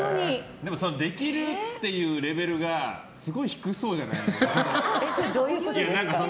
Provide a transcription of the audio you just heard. でも、できるっていうレベルがすごい低そうじゃないですか。